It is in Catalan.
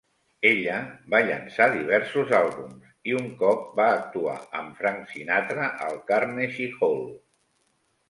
Ella va llançar diversos àlbums i un cop va actuar amb Frank Sinatra al Carnegie Hall.